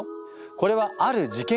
これはある事件